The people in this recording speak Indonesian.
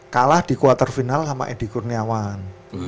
kalah di kuartal final sama edi kurniawan